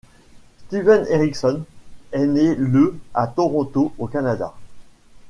Steven Erikson est né le à Toronto au Canada.